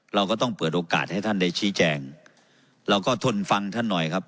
เราก็ต้องเปิดโอกาสให้ท่านได้ชี้แจงเราก็ทนฟังท่านหน่อยครับ